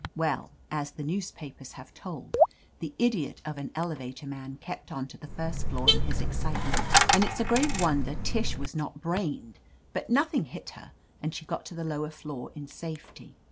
Well, as the newspapers have told, the idiot of an elevator man kept on to the first floor in his excitement, and it's a great wonder Tish 183 \ THE AMAZING ADVENTURES was not brained. But nothing hit her, and! she got to the lower floor in safety.